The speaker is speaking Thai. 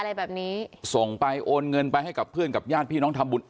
อะไรแบบนี้ส่งไปโอนเงินไปให้กับเพื่อนกับญาติพี่น้องทำบุญ